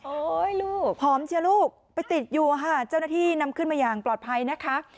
ลูกผอมเชียร์ลูกไปติดอยู่ค่ะเจ้าหน้าที่นำขึ้นมาอย่างปลอดภัยนะคะ